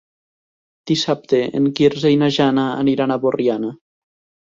Dissabte en Quirze i na Jana aniran a Borriana.